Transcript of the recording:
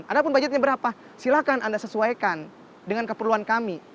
ada pun budgetnya berapa silahkan anda sesuaikan dengan keperluan kami